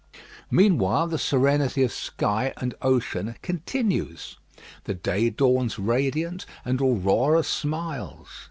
Meanwhile the serenity of sky and ocean continues. The day dawns radiant, and Aurora smiles.